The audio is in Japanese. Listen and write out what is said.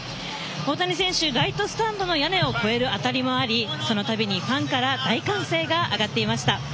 大谷選手、ライトスタンドの屋根を越える当たりもありそのたびにファンから大歓声が上がっていました。